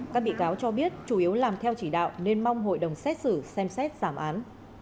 các bị cáo cho biết chủ yếu làm theo chỉ đạo nên mong hội đồng xét xử xem xét giảm án